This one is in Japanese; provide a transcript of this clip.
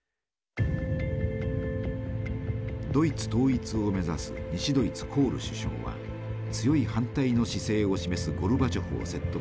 ドイツ統一を目指す西ドイツコール首相は強い反対の姿勢を示すゴルバチョフを説得するためソビエトに向かいました。